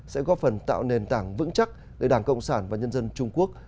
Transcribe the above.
sẽ góp phần tạo nền tảng vững chắc để đảng cộng sản và nhân dân trung quốc